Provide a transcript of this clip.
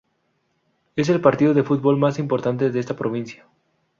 Es el partido de fútbol más importante de esta provincia.